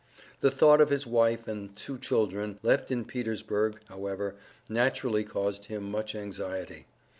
The thought of his wife, and two children, left in Petersburg, however, naturally caused him much anxiety.